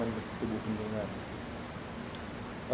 untuk mengetahui perbedaan instrumen di tubuh bendungan